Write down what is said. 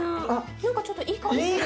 何かちょっといい香りする。